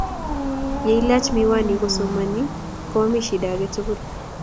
Ye ilach miwaniik kosomomei komomii shida agetugul.